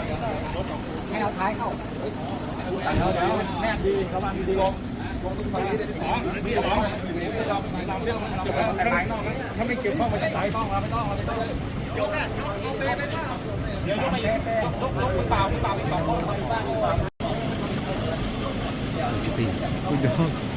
อีกตีนก็ไม่รู้